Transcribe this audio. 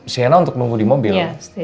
sienna untuk nunggu di mobil